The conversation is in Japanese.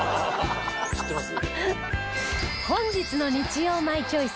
知ってます？